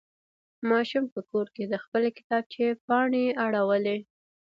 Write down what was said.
ماشوم په کور کې د خپلې کتابچې پاڼې اړولې.